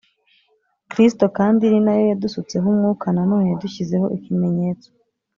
Kristo kandi ni na yo yadusutseho umwuka nanone yadushyizeho ikimenyetso